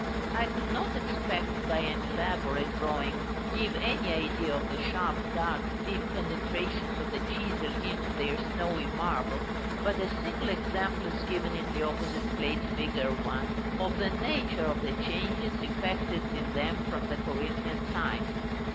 I could not, except by an elaborate drawing, give any idea of the sharp, dark, deep penetrations of the chisel into their snowy marble, but a single example is given in the opposite plate, fig. 1, of the nature of the changes effected in them from the Corinthian type.